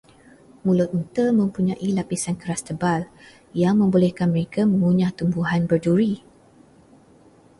Mulut unta mempunyai lapisan keras tebal, yang membolehkan mereka untuk mengunyah tumbuhan berduri.